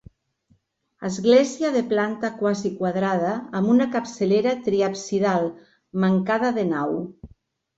Església de planta quasi quadrada amb una capçalera triabsidal mancada de nau.